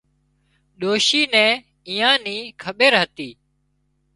ڏوشي نين ايئان نِي کٻير هتي